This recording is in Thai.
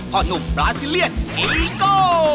พ่อหนุ่มปลาซิเลียนกิโก